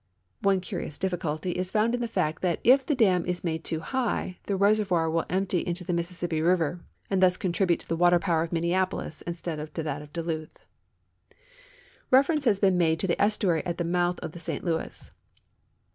One curious difhculty is found in the fact that if tiie dam is made too high the reservoir will empty into the Mississippi river and thus contribute to the water power of Minnea|>()lis instead of to that of Duluth. Reference has been made to the estuary at the mouth of the St Louis.